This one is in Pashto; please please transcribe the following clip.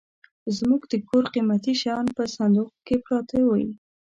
زموږ د کور قيمتي شيان په صندوخ کي پراته وي.